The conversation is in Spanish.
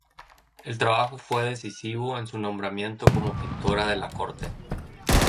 El trabajo fue decisivo en su nombramiento como pintora de la corte.